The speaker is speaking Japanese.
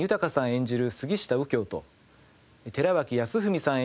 演じる杉下右京と寺脇康文さん